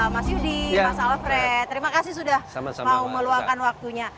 mas yudi mas alfred terima kasih sudah mau meluangkan waktunya